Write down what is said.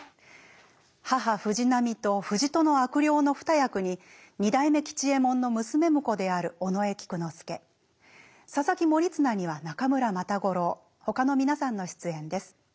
母藤波と藤戸の悪霊の二役に二代目吉右衛門の娘婿である尾上菊之助佐々木盛綱には中村又五郎ほかの皆さんの出演です。